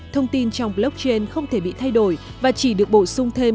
thông tin trong blockchain không thể bị thay đổi và chỉ được bổ sung thêm